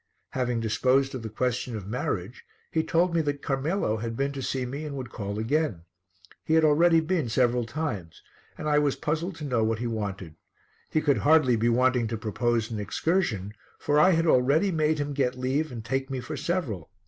Having disposed of the question of marriage he told me that Carmelo had been to see me and would call again. He had already been several times, and I was puzzled to know what he wanted. He could hardly be wanting to propose an excursion, for I had already made him get leave and take me for several.